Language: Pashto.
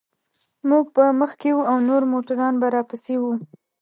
موږ به مخکې وو او نور موټران به راپسې و.